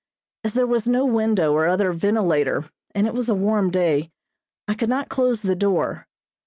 As there was no window or other ventilator, and it was a warm day, I could not close the door.